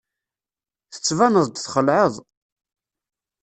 Tettbaneḍ-d txelɛeḍ.